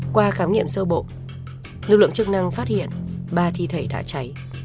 qua khám nghiệm sơ bộ lực lượng chức năng phát hiện ba thi thể đã cháy